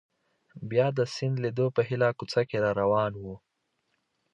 بیا د سیند لیدو په هیله کوڅه کې را روان وو.